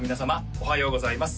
おはようございます